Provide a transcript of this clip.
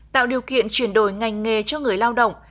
tạo điều kiện chuyển đổi ngành nghề cho người lao động